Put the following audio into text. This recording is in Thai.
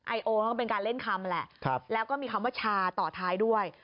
ไอโอมันก็เป็นการเล่นคำแหละแล้วก็มีคำว่าชาต่อท้ายด้วย